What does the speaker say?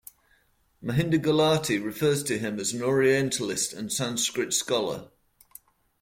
Mahinder Gulati refers to him as an Orientalist and Sanskrit scholar.